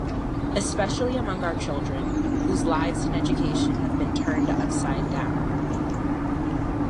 Especially among our children, whose lives and education have been turned upside down.